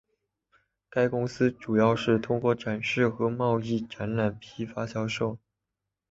该公司主要是通过展示和贸易展览批发销售。